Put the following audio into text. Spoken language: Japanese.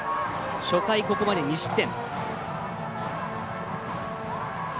初回、ここまで２失点。